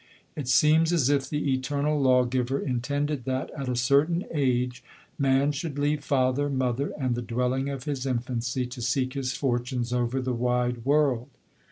It seems as if the eternal Lawgiver in tended that, at a certain age, man should leave father, mother, and the dwelling of his infancy, to seek his fortunes over the wide world.